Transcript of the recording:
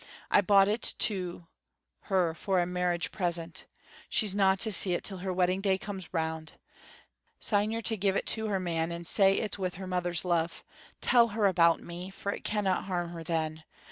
I bought it to her for a marriage present. She's no' to see it till her wedding day comes round. Syne you're to give it to her, man, and say it's with her mother's love. Tell her all about me, for it canna harm her then.